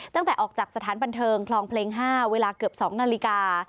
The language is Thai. ตั้งแต่ออกจากสถานบันเทิงคลองเพลง๕เวลาเกือบ๒นาฬิกา